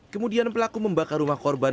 kemudian pelaku membakar rumah korban